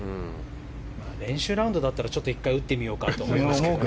練習ラウンドだったらちょっと１回打ってみようかと思うけどね。